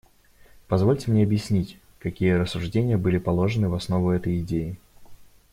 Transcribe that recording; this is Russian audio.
Позвольте мне объяснить, какие рассуждения были положены в основу этой идеи.